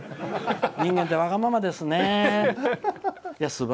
人間ってわがままですね。